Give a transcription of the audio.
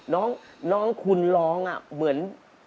น้องคุณร้องเหมือน